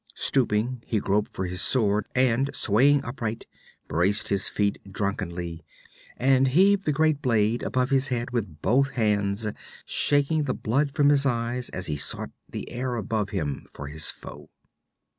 Stooping, he groped for his sword, and swaying upright, braced his feet drunkenly and heaved the great blade above his head with both hands, shaking the blood from his eyes as he sought the air above him for his foe.